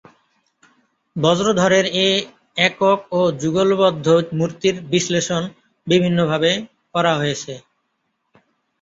বজ্রধরের এ একক ও যুগলবদ্ধ মূর্তির বিশ্লেষণ বিভিন্নভাবে করা হয়েছে।